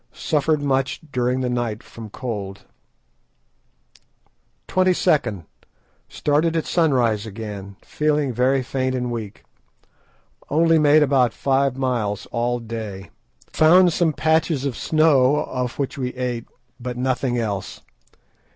Suffered much during the night from cold. "22nd.—Started at sunrise again, feeling very faint and weak. Only made about five miles all day; found some patches of snow, of which we ate, but nothing else.